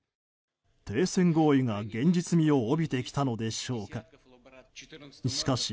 停戦合意が現実味を帯びてきたのでしょうか。